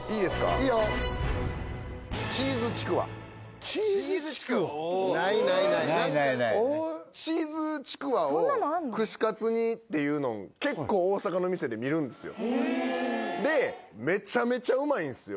いいよチーズちくわないないないチーズちくわを串カツにっていうの結構大阪の店で見るんですよ・へでめちゃめちゃうまいんすよ